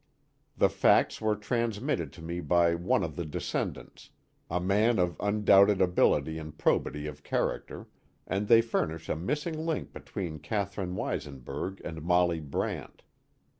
The facts were transmitted to me by one of the descendants, a man of undoubted ability and probity of char acter, and they furnish a missing link between Catherine Weis enberg and Molly Brant.